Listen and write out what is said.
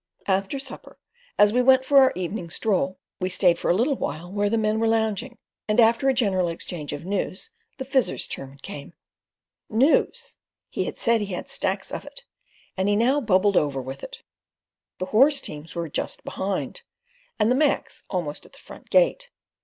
After supper, as we went for our evening stroll, we stayed for a little while where the men were lounging, and after a general interchange of news the Fizzer's turn came. News! He had said he had stacks of it, and he now bubbled over with it. The horse teams were "just behind," and the Macs almost at the front gate.